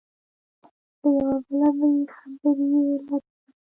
له یوه بله بې خبري یې علت باله.